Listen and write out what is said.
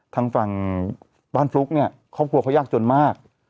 ทางฝั่งบ้านฟลุ๊กเนี่ยครอบครัวเขายากจนมาก